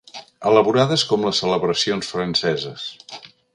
Elaborades com les celebracions franceses.